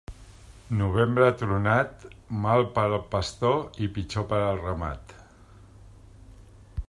Novembre tronat, mal per al pastor i pitjor per al ramat.